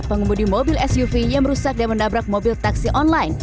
pengemudi mobil suv yang merusak dan menabrak mobil taksi online